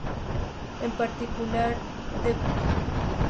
En particular, desprecia la estadística social y los modelos matemáticos.